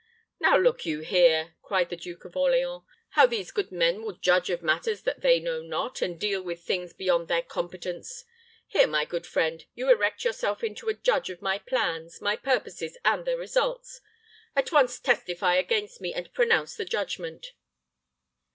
"Now look you here," cried the Duke of Orleans; "how these good men will judge of matters that they know not, and deal with things beyond their competence! Here, my good friend, you erect yourself into a judge of my plans, my purposes, and their results at once testify against me, and pronounce the judgment."